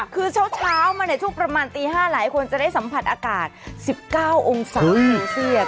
คือเช้ามาช่วงประมาณตี๕หลายคนจะได้สัมผัสอากาศ๑๙องศาเซลเซียส